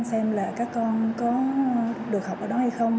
xem là các con có được học ở đó hay không